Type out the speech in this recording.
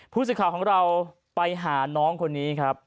ผู้สื่อข่าวของเราไปหาน้องคนนี้ครับ